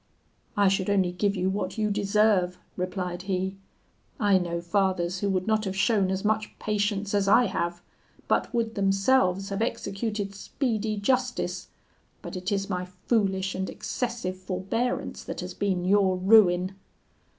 "'I should only give you what you deserve,' replied he; 'I know fathers who would not have shown as much patience as I have, but would themselves have executed speedy justice; but it is my foolish and excessive forbearance that has been your ruin.'